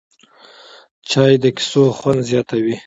چای د کیسو خوند زیاتوي